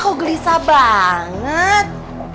kau gelisah banget